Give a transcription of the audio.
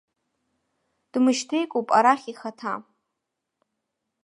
Дмышьҭеикуп арахь ихаҭа.